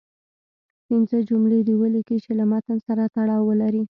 پنځه جملې دې ولیکئ چې له متن سره تړاو ولري.